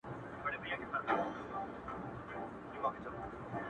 چا چي کړي پر مظلوم باندي ظلمونه.!